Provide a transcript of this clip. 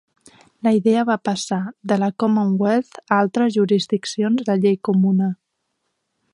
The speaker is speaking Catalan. La idea va passar de la Commonwealth a altres jurisdiccions de llei comuna.